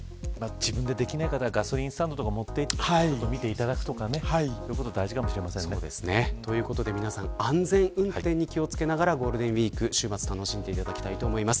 自分でできない方はガソリンスタンドに持っていって見ていただくとかそういうことが皆さん安全運転に気を付けながらゴールデンウイーク、週末楽しんでいただきたいです。